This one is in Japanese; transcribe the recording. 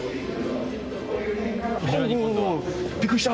おおびっくりした！